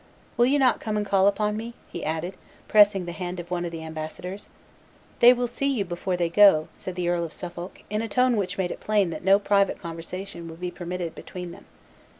Will you not come and call upon me?" he added, pressing the hand of one of the ambassadors. "They will see you before they go," said the Earl of Suffolk, in a tone which made it plain that no private conversation would be permitted between them.